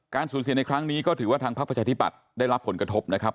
สูญเสียในครั้งนี้ก็ถือว่าทางพักประชาธิปัตย์ได้รับผลกระทบนะครับ